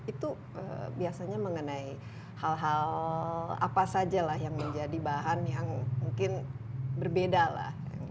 itu biasanya mengenai hal hal apa saja lah yang menjadi bahan yang mungkin berbeda lah